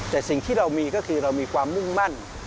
แต่สิ่งที่เรามีก็คือเรามีความมุ่งมั่น